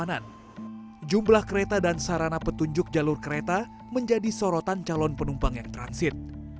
perjalanan jumlah kereta dan sarana petunjuk jalur kereta menjadi sorotan calon penumpang yang transit